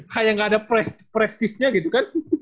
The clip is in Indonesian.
kayak gak ada prestisnya gitu kan